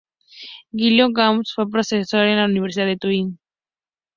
Giulio Camus fue profesor en la Universidad de Turín.